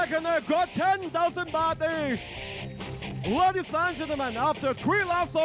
กระโดยสิ้งเล็กนี่ออกกันขาสันเหมือนกันครับ